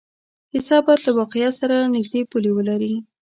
کیسه باید له واقعیت سره نږدې پولې ولري.